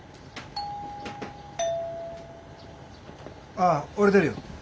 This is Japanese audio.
ああ俺出るよ。